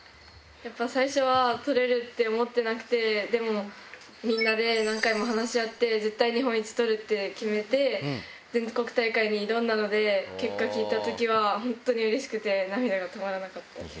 やっぱり最初は取れるって思ってなくて、でも、みんなで何回も話し合って、絶対日本一取るって決めて、全国大会に挑んだので、結果聞いたときは、本当にうれしくて、涙が止まらなかったです。